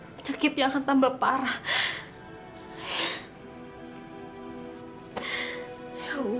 ibu nggak boleh tahu kalau aku hamil